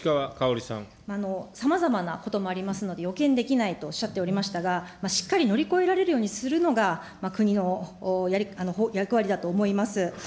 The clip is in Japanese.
さまざまなこともありますので、予見できないとおっしゃっておりましたが、しっかり乗り越えられるようにするのが、国の役割だと思います。